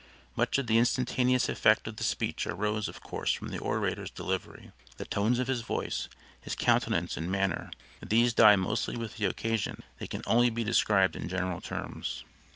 Much of the instantaneous effect of the speech arose of course from the orator's delivery the tones of his voice, his countenance and manner. These die mostly with the occasion, they can only be described in general terms.